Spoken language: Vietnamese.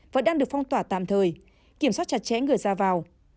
vẫn đang được phong tỏa tạm thời kiểm soát chặt chẽ người ra vào